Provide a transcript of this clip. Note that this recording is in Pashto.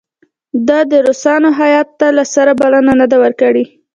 ده د روسانو هیات ته له سره بلنه نه ده ورکړې.